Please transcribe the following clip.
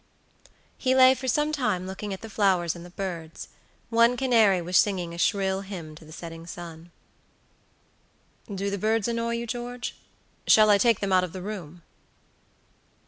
He lay for some time looking at the flowers and the birds; one canary was singing a shrill hymn to the setting sun. "Do the birds annoy you, George? Shall I take them out of the room?"